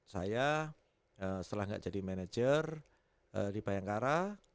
saya setelah gak jadi manajer di bayangkara